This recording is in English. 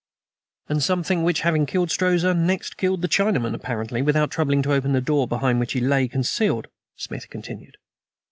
"And something which, having killed Strozza, next killed the Chinaman, apparently without troubling to open the door behind which he lay concealed," Smith continued.